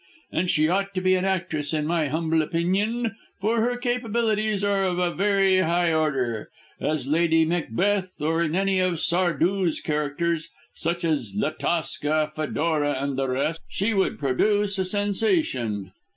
And she ought to be an actress, in my humble opinion, for her capabilities are of a very high order. As Lady Macbeth, or in any of Sardou's characters, such as La Tosca, Fedora, and the rest, she would produce a sensation."